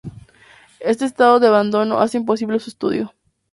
Este estado de abandono hace imposible su estudio.